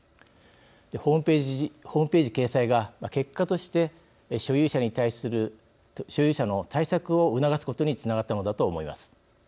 ホームページ掲載が、結果として所有者の対策を促すことにつながったのだと思います。